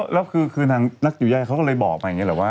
แล้วคือทางนักอยู่ย่าเขาก็เลยบอกมาอย่างนี้แหละว่า